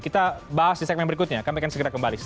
kita bahas di segmen berikutnya kami akan segera kembali